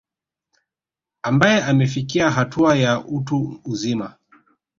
Ambae amefikia hatua ya utu uzima